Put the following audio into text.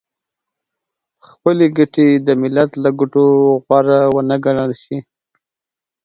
خپلې ګټې د ملت له ګټو غوره ونه ګڼل شي .